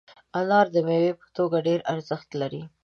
انار د میوې په توګه ډېر ارزښت لري.